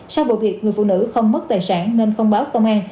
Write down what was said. sau vụ việc người phụ nữ không mất tài sản nên không báo công an